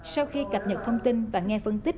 sau khi cập nhật thông tin và nghe phân tích